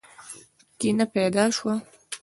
کینه پیدا شوه.